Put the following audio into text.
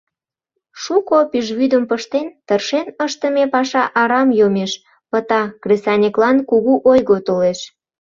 Шуко пӱжвӱдым пыштен, тыршен ыштыме паша арам йомеш, пыта, кресаньыклан кугу ойго толеш.